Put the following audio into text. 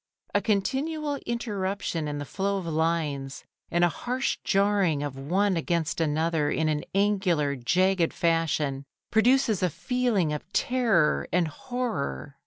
A continual interruption in the flow of lines, and a harsh jarring of one against another in an angular, jagged fashion, produces a feeling of terror and horror.